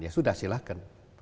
ya sudah silahkan